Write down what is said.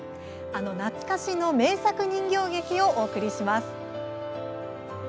あの懐かしの名作人形劇をお送りします。